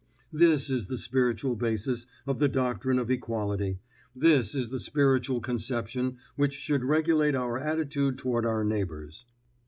This is the spiritual basis of the doctrine of equality; this is the spiritual conception which should regulate our attitude toward our neighbors.